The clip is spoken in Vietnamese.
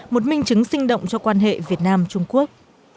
một minh chứng sinh động cho quan hệ việt nam trung quốc